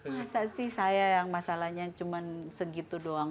masa sih saya yang masalahnya cuma segitu doang